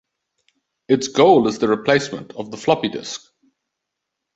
Its goal is the replacement of the floppy disk.